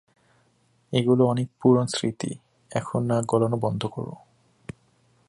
এগুলো অনেক পুরনো স্মৃতি, এখন নাক গলানো বন্ধ কর!